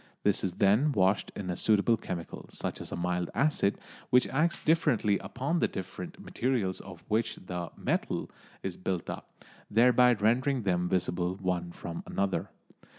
This is then washed in a suitable chemical, such as a mild acid, which acts differently upon the different materials of which the "metal" is built up, thereby rendering them visible one from another.